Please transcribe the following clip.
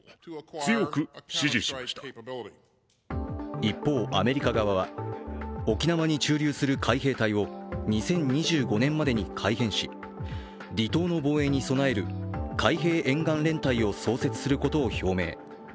一方、アメリカ側は、沖縄に駐留する海兵隊を２０２５年までに改編し、離島の防衛に備える海兵沿岸連隊を創設することを表明。